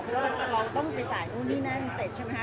เราก็ต้องไปจ่ายนู้นนี้หน้าพิเศษใช่ไหมคะ